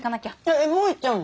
えっもう行っちゃうの？